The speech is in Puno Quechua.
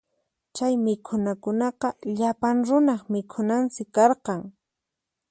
Chay mikhunakunaqa llapan runaq mikhunansi karqan.